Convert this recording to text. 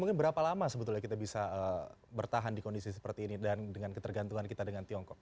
mungkin berapa lama sebetulnya kita bisa bertahan di kondisi seperti ini dan dengan ketergantungan kita dengan tiongkok